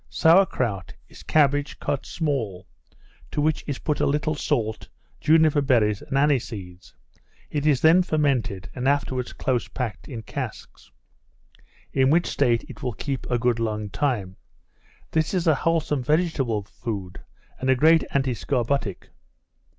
Sour krout is cabbage cut small, to which is put a little salt, juniper berries, and anniseeds; it is then fermented, and afterwards close packed in casks; in which state it will keep good a long time. This is a wholesome vegetable food, and a great antiscorbutic.